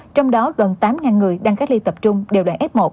trong đó gần tám người đang cách ly tập trung đều là f một